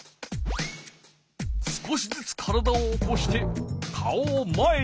少しずつ体を起こして顔を前に向ける。